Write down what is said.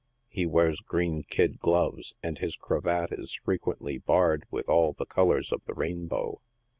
He wears green Kid gloves, and his cravat is frequently barred with all the colors of the rainbow.